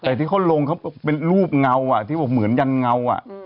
แต่ที่เขาลงเค้าเป็นรูปเหมือนแยนเงาครับ